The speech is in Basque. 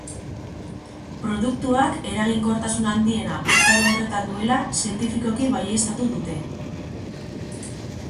Produktuak eraginkortasun handiena urtaro horretan duela zientifikoki baieztatu dute.